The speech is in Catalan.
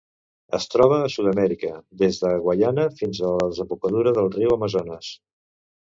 Es troba a Sud-amèrica: des de Guaiana fins a la desembocadura del riu Amazones.